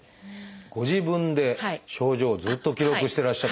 ご自分で症状をずっと記録してらっしゃって。